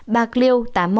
bạc liêu tám mươi một